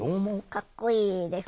かっこいいです。